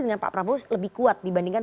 dengan pak prabowo lebih kuat dibandingkan